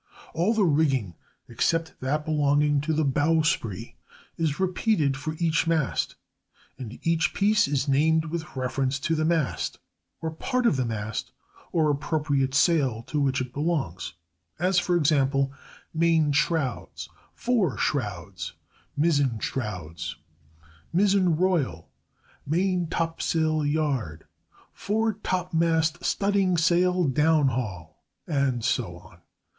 All the rigging, except that belonging to the bowsprit, is repeated for each mast, and each piece is named with reference to the mast or part of the mast or appropriate sail to which it belongs: as, for example, main shrouds, fore shrouds, mizzen shrouds, mizzen royal, maintopsail yard, foretopmast studdingsail downhaul, and so on.